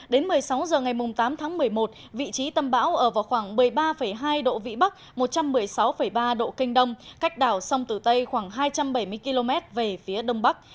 đến một mươi sáu h ngày tám tháng một mươi một vị trí tâm bão ở vào khoảng một mươi ba hai độ vĩ bắc một trăm một mươi sáu ba độ kinh đông cách đảo sông tử tây khoảng hai trăm bảy mươi km về phía đông bắc